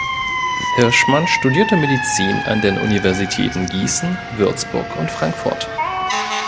Hirschmann studierte Medizin an den Universitäten Gießen, Würzburg und Frankfurt.